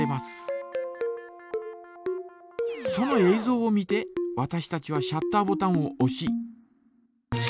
ぞうを見てわたしたちはシャッターボタンをおし。